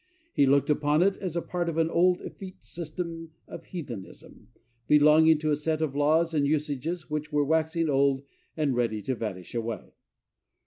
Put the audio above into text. He looked upon it as a part of an old, effete system of heathenism, belonging to a set of laws and usages which were waxing old and ready to vanish away.